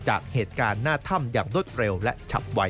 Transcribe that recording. จากเหตุการณ์หน้าถ้ำอย่างรวดเร็วและฉับไว